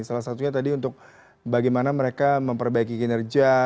salah satunya tadi untuk bagaimana mereka memperbaiki kinerja